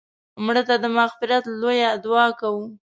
مړه ته د مغفرت لویه دعا کوو